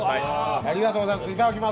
ありがとうございます。